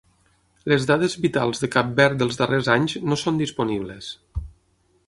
Les dades vitals de Cap Verd dels darrers anys no són disponibles.